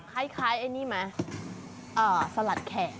คล้ายไอ้นี่มั้ยอ่าสลัดแขก